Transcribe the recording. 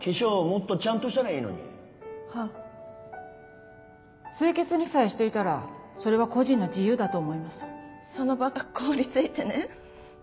もっとちゃんとしたらいいのにはあ清潔にさえしていたらそれは個人の自由だその場が凍り付いてね。